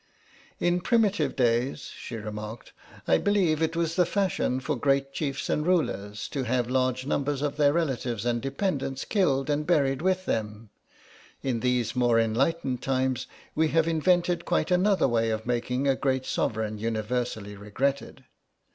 "In primitive days," she remarked, "I believe it was the fashion for great chiefs and rulers to have large numbers of their relatives and dependents killed and buried with them; in these more enlightened times we have invented quite another way of making a great Sovereign universally regretted.